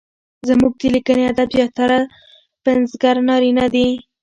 زموږ د ليکني ادب زياتره پنځګر نارينه دي؛